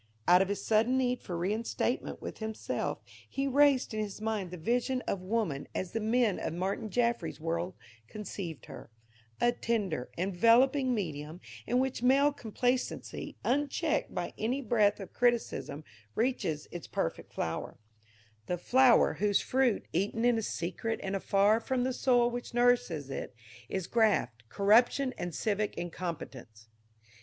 Out of his sudden need for reinstatement with himself, he raised in his mind the vision of woman as the men of Martin Jaffry's world conceived her a tender, enveloping medium in which male complacency, unchecked by any breath of criticism, reaches its perfect flower the flower whose fruit, eaten in secret and afar from the soil which nourishes it, is graft, corruption and civic incompetence.